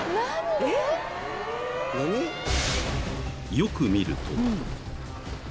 ［よく見ると］